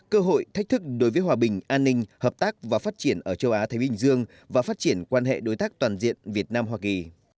cơ hội thách thức đối với hòa bình an ninh hợp tác và phát triển ở châu á thái bình dương và phát triển quan hệ đối tác toàn diện việt nam hoa kỳ